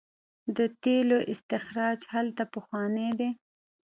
د تیلو استخراج هلته پخوانی دی.